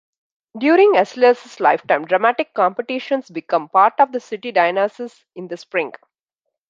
During Aeschylus's lifetime, dramatic competitions became part of the City Dionysia in the spring.